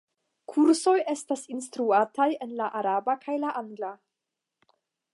Kursoj estas instruataj en la araba kaj la angla.